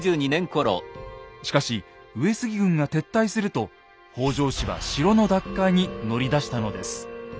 しかし上杉軍が撤退すると北条氏は城の奪回に乗り出したのです。